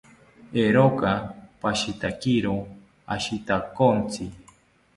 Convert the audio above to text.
Eeroka pashitakiro ashitakontzi